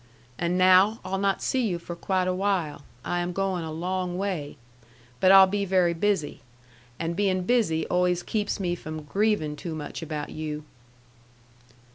And now I'll not see you for quite a while. I am going a long way. But I'll be very busy. And bein' busy always keeps me from grievin' too much about you."